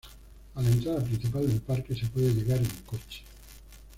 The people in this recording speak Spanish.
A la entrada principal del parque se puede llegar en coche.